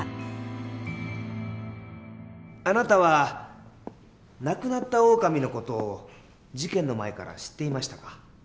あなたは亡くなったオオカミの事を事件の前から知っていましたか？